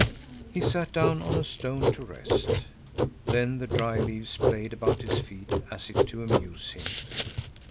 He sat down on a stone to rest. Then the dry leaves played about his feet as if to amuse him.